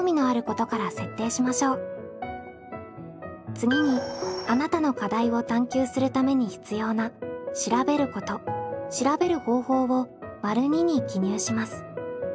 次にあなたの課題を探究するために必要な「調べること」「調べる方法」を②に記入します。